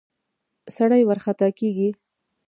سړی ورخطا کېږي.